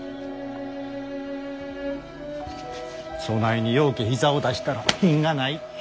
そないにようけ膝を出したら品がない。